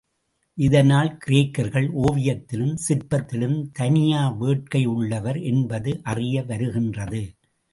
இதனால், கிரேக்கர்கள் ஒவியத்திலும் சிற்பத்திலும் தனியா வேட்கையுள்ளவர் என்பது அறிய வருகின்றது.